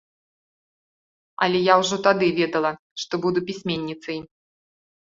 Але я ўжо тады ведала, што буду пісьменніцай.